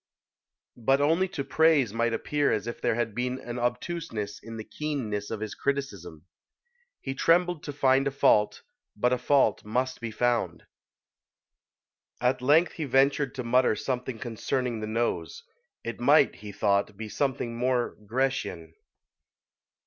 But only to praise might appear as if there had been an obtuseness in the keenness of his criticism. He trembled to find a fault, but a fault must be found. At length he ventured to mutter something concerning the nose it might, he thought, be something more Grecian.